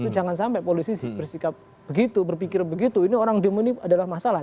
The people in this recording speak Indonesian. itu jangan sampai polisi bersikap begitu berpikir begitu ini orang demo ini adalah masalah